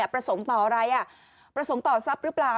ประสงค์ต่ออะไรประสงค์ต่อทรัพย์หรือเปล่า